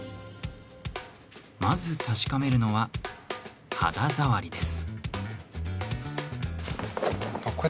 まず確かめるのは、肌触りです。